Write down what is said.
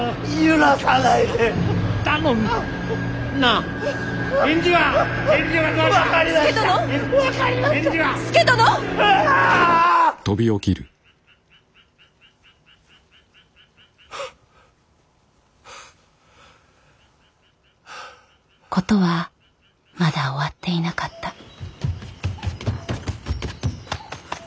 事はまだ終わっていなかった。